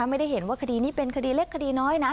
ไม่ได้เห็นว่าคดีนี้เป็นคดีเล็กคดีน้อยนะ